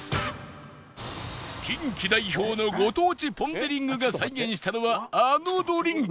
近畿代表のご当地ポン・デ・リングが再現したのはあのドリンク